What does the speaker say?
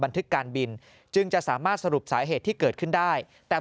บันทึกการบินจึงจะสามารถสรุปสาเหตุที่เกิดขึ้นได้แต่